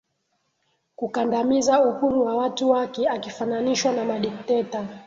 Kukandamiza uhuru wa watu wake akifananishwa na madikteta